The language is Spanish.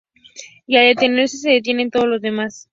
Y al detenerse, se detienen todos los demás.